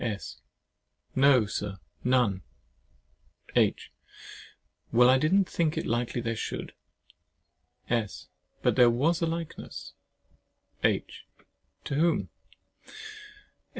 S. No, Sir, none. H. Well, I didn't think it likely there should. S. But there was a likeness. H. To whom?